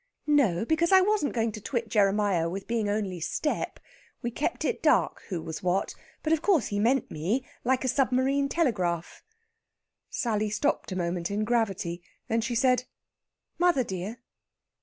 "No, because I wasn't going to twit Jeremiah with being only step. We kept it dark who was what. But, of course, he meant me. Like a submarine telegraph." Sally stopped a moment in gravity. Then she said: "Mother dear!"